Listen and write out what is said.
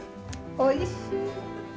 おいしい。